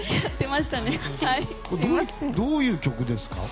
どういう曲ですか？